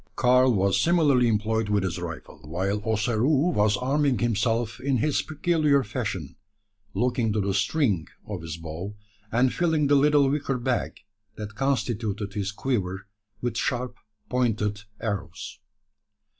Karl was similarly employed with his rifle, while Ossaroo was arming himself in his peculiar fashion, looking to the string of his bow, and filling the little wicker bag, that constituted his quiver, with sharp pointed arrows.